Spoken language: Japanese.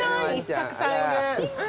たくさんいる。